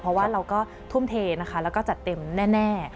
เพราะว่าเราก็ทุ่มเทนะคะแล้วก็จัดเต็มแน่